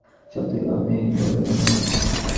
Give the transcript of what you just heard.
তাদের দেখে, প্রাণীদের মধ্যে সবথেকে ভাবনাহীন বলে মনে হয়।